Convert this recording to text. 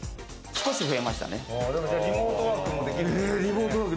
少し増えましたね。